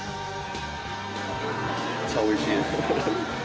めっちゃおいしいです。